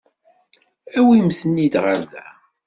Awimt-ten-id ɣer da.